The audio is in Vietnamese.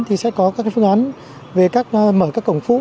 thì sẽ có các phương án về các mở các cổng phụ